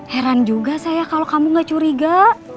heran juga saya kalau kamu gak curiga